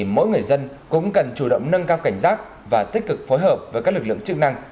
mỗi người dân cũng cần chủ động nâng cao cảnh giác và tích cực phối hợp với các lực lượng chức năng